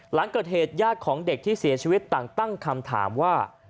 หลังเกิดเหตุญาติของเด็กที่เสียชีวิตต่างตั้งคำถามว่า